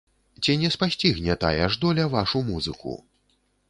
Ці не спасцігне тая ж доля вашу музыку?